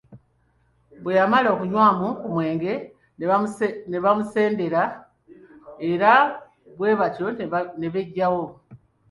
Bwe yamala okunywamu ku mwenge ne bamumusendera era bwe batyo ne beggyawo.